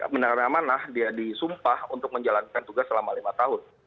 menerima amanah dia disumpah untuk menjalankan tugas selama lima tahun